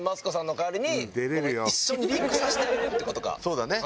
そうだね。